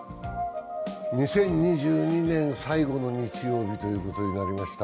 ２０２２年最後の日曜日ということになりました。